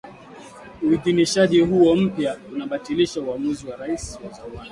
Uidhinishaji huo mpya unabatilisha uamuzi wa Rais wa zamani